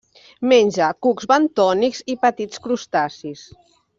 Menja cucs bentònics i petits crustacis.